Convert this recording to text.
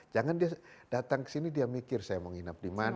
jangan dia datang ke sini dia mikir saya mau nginap di mana